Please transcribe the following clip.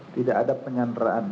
tidak ada penyanderaan